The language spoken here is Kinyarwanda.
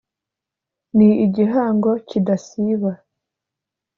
ni igihango kidasiba.